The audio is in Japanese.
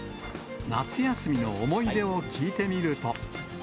夏休みの思い出を聞いてみると。